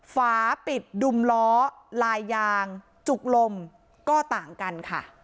ฝาปิดดุมล้อลายยางจุกลมก็ต่างกันค่ะ